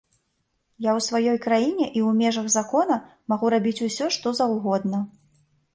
Я ў сваёй краіне і ў межах закона магу рабіць усё, што заўгодна.